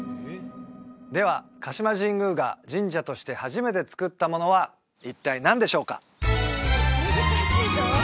では鹿島神宮が神社として初めてつくったものは一体何でしょうか？